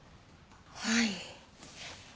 はい。